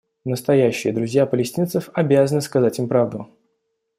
Настоящие друзья палестинцев обязаны сказать им правду.